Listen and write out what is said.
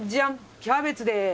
キャベツです。